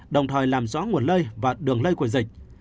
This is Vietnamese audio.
đồng thời làm rõ nguồn lây và đường lây của dịch